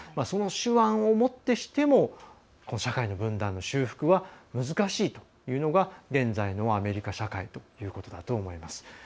その手腕をもってしても社会の分断の修復は難しいというのが現在のアメリカ社会ということだと思います。